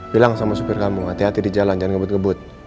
bilang sama supir kampung hati hati di jalan jangan kebut ngebut